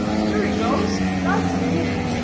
There he goes that's he. Mr.